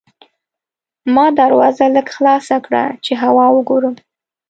ما دروازه لږه خلاصه کړه چې هوا وګورم.